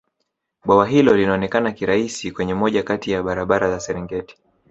bwawa hilo linaonekana kirahisi kwenye moja Kati ya barabara za serengeti